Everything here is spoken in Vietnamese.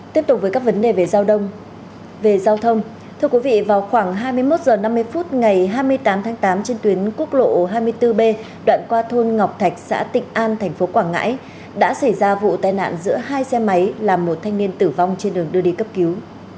tiếp tục với các vấn đề vào khoảng hai mươi một h năm mươi phút ngày hai mươi tám tháng tám trên tuyến quốc lộ hai mươi bốn b đoạn qua thôn ngọc thạch xã tịnh an tp quảng ngãi đã xảy ra vụ tai nạn giữa hai xe máy làm một thanh niên tử vong trên đường đưa đi cấp cứu